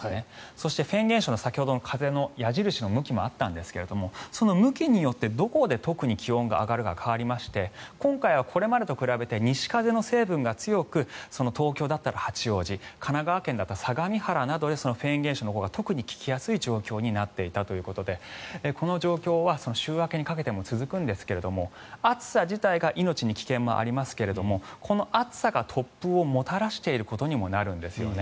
そして、フェーン現象の先ほどの風の矢印の向きもあったんですがその向きによってどこで気温が上がるか特に変わりまして今回はこれまでと比べて西風の成分が強く東京だったら八王子神奈川県だったら相模原などでフェーン現象が利きやすい状況になっていたということでこの状況は週明けにかけても続くんですが暑さ自体が命に危険もありますけれどこの暑さが突風をもたらしていることにもなるんですよね。